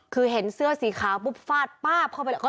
คือเห็นเสื้อสีขาวปุ๊บฟาดป๊าบเข้าไปแล้วก็